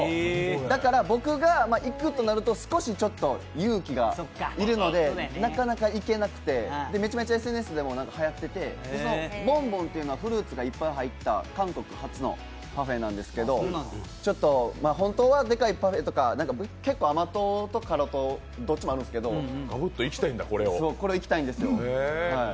だから僕が行くとなるとちょっと勇気がいるのでなかなか行けなくてめちゃめちゃＳＮＳでもはやっててボンボンっていうのはフルーツがたくさん入った韓国発のパフェなんですけども、本当はデカイパフェとか、辛党と甘党とどっちもあるんですけどこれをいきたいんですよ。